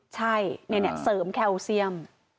ใช่เสริมแคลเซียม